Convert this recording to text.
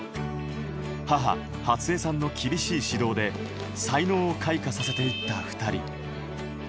母・初江さんの厳しい指導で才能を開花させていった２人。